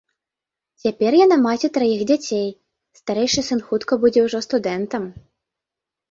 Цяпер яна маці траіх дзяцей, старэйшы сын хутка будзе ўжо студэнтам.